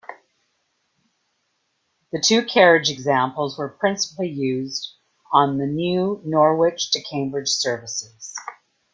The two-carriage examples were principally used on the new Norwich to Cambridge services.